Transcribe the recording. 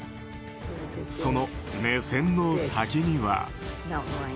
その目線の先には。